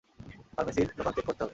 ফার্মেসির দোকান চেক করতে হবে।